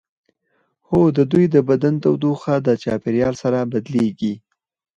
هو د دوی د بدن تودوخه د چاپیریال سره بدلیږي